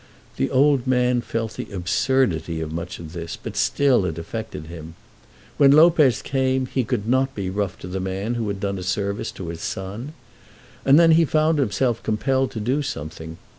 The old man felt the absurdity of much of this, but still it affected him. When Lopez came he could not be rough to the man who had done a service to his son. And then he found himself compelled to do something.